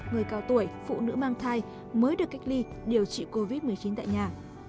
người cao tuổi phụ nữ mang thai mới được cách ly điều trị covid một mươi chín tại nhà